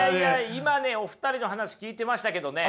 今ねお二人の話聞いてましたけどね